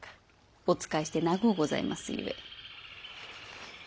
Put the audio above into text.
お仕えして長うございますゆえ。